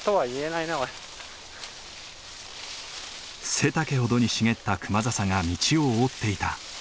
背丈ほどに茂ったクマザサが道を覆っていた。